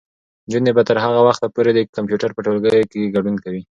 نجونې به تر هغه وخته پورې د کمپیوټر په ټولګیو کې ګډون کوي.